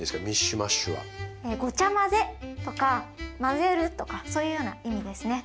「ごちゃ混ぜ」とか「混ぜる」とかそういうような意味ですね。